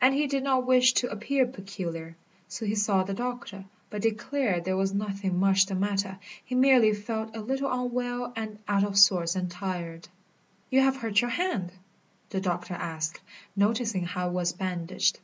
And he did not wish to appear peculiar. So he saw the doctor, but declared there was nothing much the matter, he merely felt a little unwell and out of sorts and tired. "You have hurt your hand?" the doctor asked, noticing how it was bandaged.